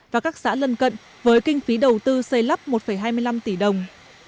và các xã lân cận với kinh phí đầu tư xây lắp một hai mươi năm tỷ đồng